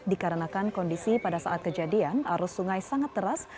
dikarenakan kondisi pada saat kejadian arus sungai sangat teras